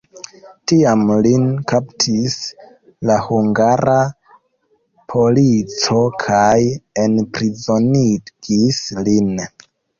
Tiam lin kaptis la hungara polico kaj enprizonigis lin.